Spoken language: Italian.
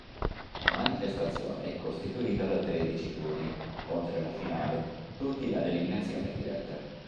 La manifestazione è costituita da tredici turni, oltre alla finale, tutti ad eliminazione diretta.